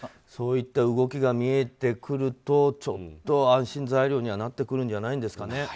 そういった動きが見えてくるとちょっと安心材料にはなってくるんじゃないですかね。